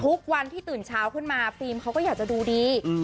ทุกวันที่ตื่นเช้าขึ้นมาฟิล์มเขาก็อยากจะดูดี